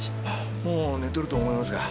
もう寝とると思いますが